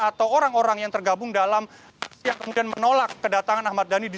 atau orang orang yang tergabung dalam yang kemudian menolak kedatangan ahmad dhani